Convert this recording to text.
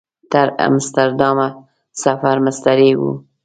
تر امسټرډامه سفر مستریح و.